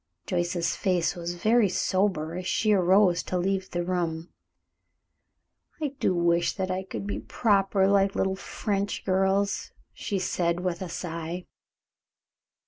Joyce's face was very sober as she arose to leave the room. "I do wish that I could be proper like little French girls," she said, with a sigh.